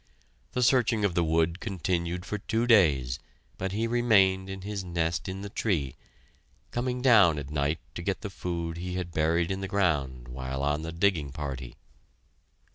The searching of the wood continued for two days, but he remained in his nest in the tree, coming down at night to get the food he had buried in the ground while on the digging party.